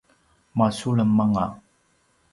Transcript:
masulem anga